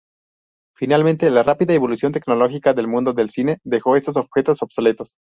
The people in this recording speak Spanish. Finalmente, la rápida evolución tecnológica del mundo del cine dejó estos objetos obsoletos.